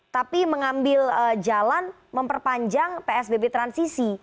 tapi mengambil jalan memperpanjang psbb transisi